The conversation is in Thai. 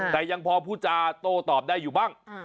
แต่ยังพอพูดจาโต้ตอบได้อยู่บ้าง